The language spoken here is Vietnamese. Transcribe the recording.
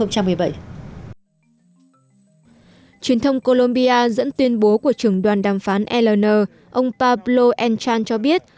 truyền thông colombia dẫn tuyên bố của trưởng đoàn đàm phán ln ông pablo enchan cho biết